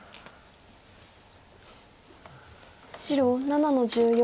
白７の十四。